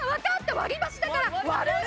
割り箸だから割る。